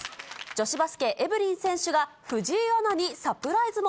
女子バスケ、エブリン選手が藤井アナにサプライズも。